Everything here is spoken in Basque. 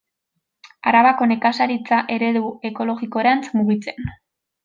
Arabako nekazaritza eredu ekologikorantz mugitzen.